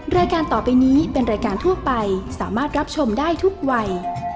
รายการต่อไปนี้เป็นรายการทั่วไปสามารถรับชมได้ทุกวัย